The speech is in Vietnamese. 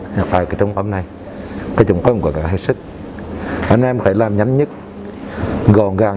của chúng ta ở trong hôm nay thì chúng tôi cũng có thể hợp sức anh em phải làm nhanh nhất gòn gàng